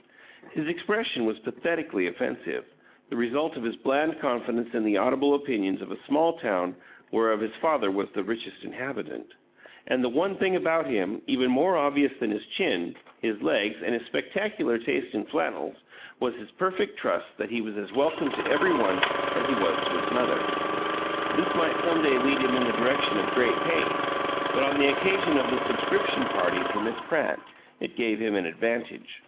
His expression was pathetically offensive, the result of his bland confidence in the audible opinions of a small town whereof his father was the richest inhabitant and the one thing about him, even more obvious than his chin, his legs, and his spectacular taste in flannels, was his perfect trust that he was as welcome to every one as he was to his mother. This might some day lead him in the direction of great pain, but on the occasion of the "subscription party" for Miss Pratt it gave him an advantage.